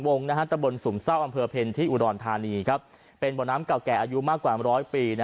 วงตะบลสุมเศร้าอำเภอเพลินที่อุดรณฑานีครับเป็นบ่อน้ำเก่าแก่อายุมากกว่า๑๐๐ปี